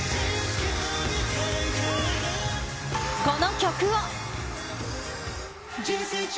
この曲を。